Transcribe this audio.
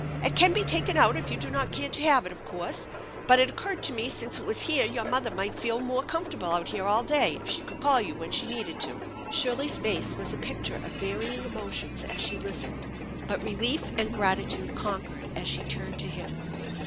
It can be taken out if you do not care to have it, of course; but It 100 THE ENCHANTED BARN occurred to me since it was here your mother might feel more comfortable out here all day if she could call you when she needed to." Shirley's face was a picture of varying emotions as she listened, but relief and gratitude conquered as she turned to him.